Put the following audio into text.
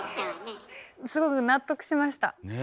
すごく納得しました。